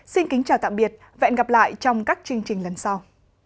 xin kính chào tạm biệt và hẹn gặp lại trong các chương trình lần sau